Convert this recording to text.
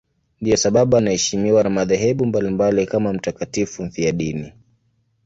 Ndiyo sababu anaheshimiwa na madhehebu mbalimbali kama mtakatifu mfiadini.